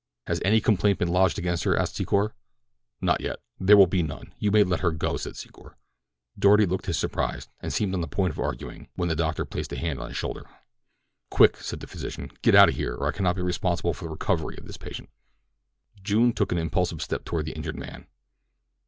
"Has any complaint been lodged against her?" asked Secor. "Not yet." "There will be none—you may let her go," said Secor. Doarty looked his surprise, and seemed on the point of arguing, when the doctor placed a hand on his shoulder. "Quick!" said the physician. "Get out of here, or I cannot be responsible for the recovery of this patient." June took an impulsive step toward the injured man.